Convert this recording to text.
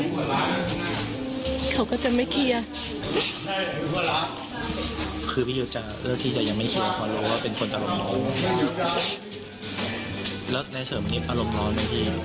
แล้วในเฉิงวันนี้ตาลงร้อนจริง